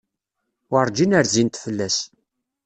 Werǧin rzint fell-as.